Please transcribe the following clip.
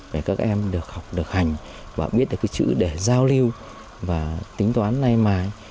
để các em được học được hành và biết được cái chữ để giao lưu và tính toán nay mài